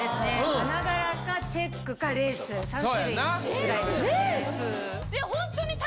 花柄かチェックかレース、３種類くらいでした。